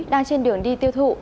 đang trên đường đi tiêu thụ